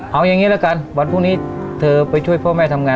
เอาอย่างนี้ละกันวันพรุ่งนี้เธอไปช่วยพ่อแม่ทำงาน